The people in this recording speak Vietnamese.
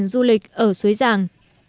phát triển du lịch ở suối giàng